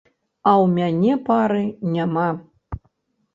А ў мяне пары няма.